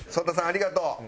ありがとう。